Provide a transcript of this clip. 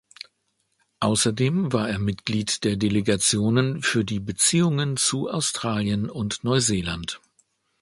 Außerdem war er Mitglied der Delegationen für die Beziehungen zu Australien und Neuseeland.